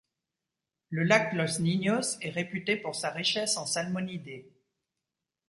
Le lac Los Niños est réputé pour sa richesse en salmonidés.